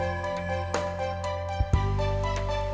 ih kamu mah jahat banget sih